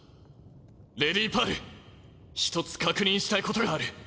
レディパール一つ確認したいことがある。